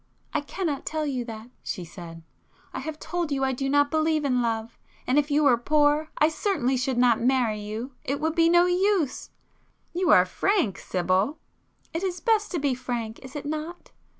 "I cannot tell you that,"—she said,—"I have told you I do not believe in love; and if you were poor I certainly should not marry you. It would be no use!" "You are frank, Sibyl!" "It is best to be frank, is it not?"